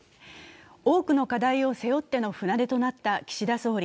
多くの課題を背負っての船出となった岸田総理。